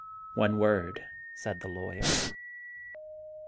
" One word," said the lawyer.